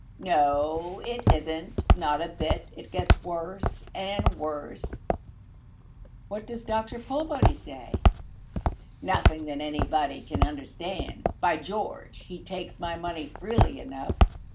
"No, it isn't, not a bit. It gets worse and worse." "What does Dr. Pullbody say?" "Nothing that anybody can understand. By George! he takes my money freely enough.